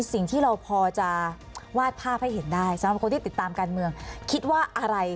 สิ่งที่เราพอจะวาดภาพให้เห็นได้